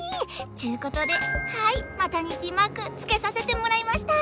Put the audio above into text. っちゅうことではいマタニティマークつけさせてもらいました！